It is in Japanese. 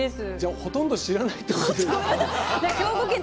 ほとんど知らないってこと。